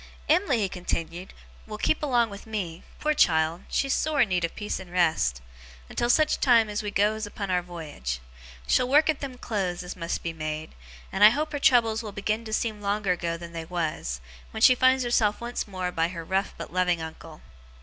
'Em'ly,' he continued, 'will keep along with me poor child, she's sore in need of peace and rest! until such time as we goes upon our voyage. She'll work at them clothes, as must be made; and I hope her troubles will begin to seem longer ago than they was, wen she finds herself once more by her rough but loving uncle.